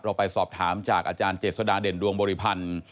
ไปสอบถามจากอาจารย์เจษฎาเด่นดวงบริพันธ์